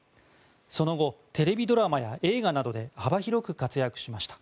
その後、テレビドラマや映画などで幅広く活躍しました。